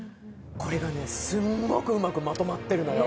これがすごくうまくまとまってるのよ。